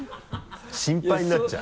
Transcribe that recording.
心配になっちゃう。